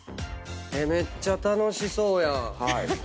めっちゃ楽しそうやん。